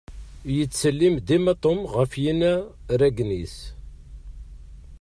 Yettsellim dima Tom ɣef yinaragen-is.